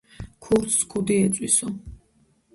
ქურდს ქუდი ეწვისო